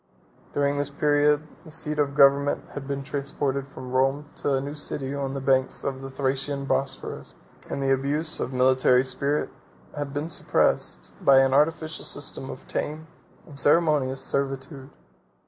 During this period, the seat of government had been transported from Rome to a new city on the banks of the Thracian Bosphorus; and the abuse of military spirit had been suppressed by an artificial system of tame and ceremonious servitude.